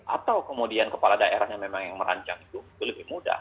atau kemudian kepala daerahnya memang yang merancang itu lebih mudah